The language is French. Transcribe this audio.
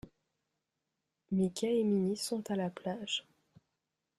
Mickey et Minnie sont à la plage.